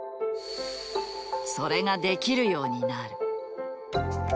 それができるようになる。